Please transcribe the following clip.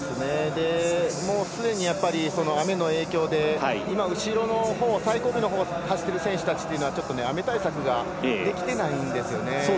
すでに雨の影響で最後尾のほうを走っている選手は雨の対策ができていないんですよね。